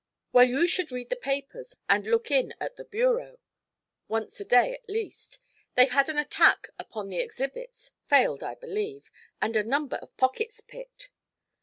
'Well, you should read the papers, and look in at the bureau, once a day at least. They've had an attack upon the exhibits failed, I believe and a number of pockets picked.'